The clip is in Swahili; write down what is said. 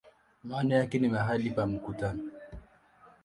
Maana yake ni "mahali pa mkutano".